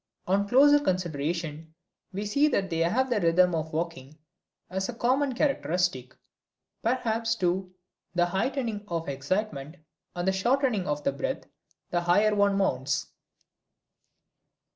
On closer consideration we see that they have the rhythm of walking as a common characteristic; perhaps, too, the heightening of excitement and the shortening of the breath, the higher one mounts.